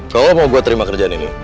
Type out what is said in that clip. kalau lo mau gue terima kerjaan ini